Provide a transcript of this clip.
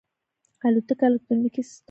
الوتکه الکترونیکي سیستم لري.